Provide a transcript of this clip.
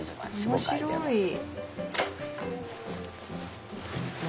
面白い。